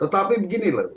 tetapi begini loh